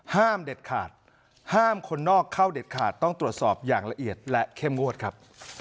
ห้ามเด็ดขาดห้ามคนนอกเข้าเด็ดขาดต้องตรวจสอบอย่างละเอียดและเข้มงวดครับ